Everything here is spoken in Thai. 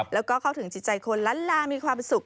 แล้วก็เข้าถึงจิตใจคนล้านลามีความสุข